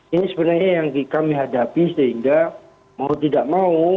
ini sebenarnya yang kami hadapi sehingga mau tidak mau